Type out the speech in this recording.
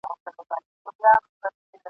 چي نه غضب د محتسب وي نه دُره د وحشت !.